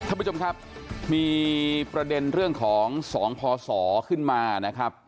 ท่านผู้ชมครับมีประเด็นเรื่องของ๒พศขึ้นมานะครับ